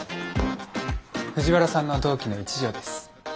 藤原さんの同期の一条です。